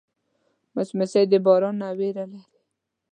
مچمچۍ د باران نه ویره لري